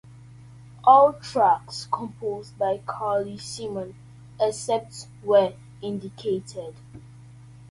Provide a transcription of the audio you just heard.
All tracks composed by Carly Simon, except where indicated.